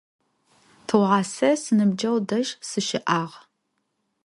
Tığuase sinıbceğu dej sışı'ağ.